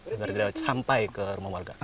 agar dia sampai ke rumah warga